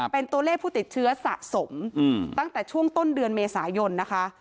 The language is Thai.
เป็นตัวเลขผู้ติดเชื้อสะสมตั้งแต่ช่วงต้นเดือนเมษายนนะคะ